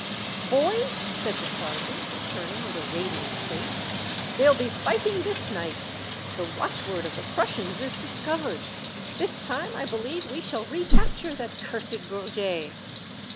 *' Boys !" said the sergeant, returning with a radiant face, " there '11 be fighting this night ! The watchword of the Prussians is discovered. This time I believe we shall recapture that cursed Bourget."